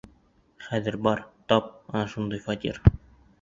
Хәҙер, бар, тап ана шундай фатир!